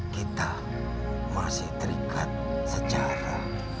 kita masih terikat secara